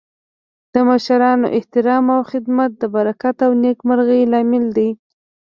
د مشرانو احترام او خدمت د برکت او نیکمرغۍ لامل دی.